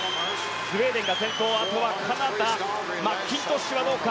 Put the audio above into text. スウェーデンが先頭あとはカナダマッキントッシュはどうか。